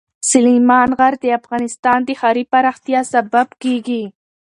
سلیمان غر د افغانستان د ښاري پراختیا سبب کېږي.